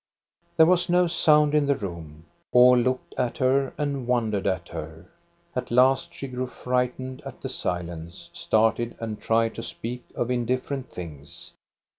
There was no sound in the room. All looked at her and wondered at her. At last she grew frightened at the silence, started, and tried to speak of indifferent things.